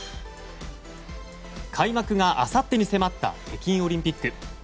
開幕があさってに迫った北京オリンピック。